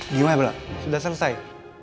gimana bola sudah selesai